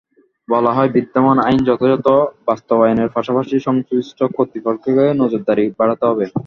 বলা হয়, বিদ্যমান আইন যথাযথ বাস্তবায়নের পাশাপাশি সংশ্লিষ্ট কর্তৃপক্ষকে নজরদারি বাড়াতে হবে।